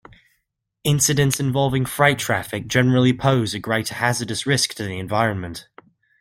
Incidents involving freight traffic generally pose a greater hazardous risk to the environment.